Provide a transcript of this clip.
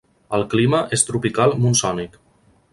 El clima és tropical monsònic.